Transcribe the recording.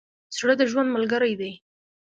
زړه د ژوند ملګری دی.